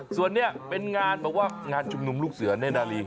ส่วนนี้เป็นงานแบบว่างานชุมนุมลูกเสือเน่นนาลี